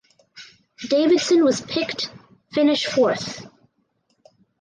Davidson was picked finish fourth.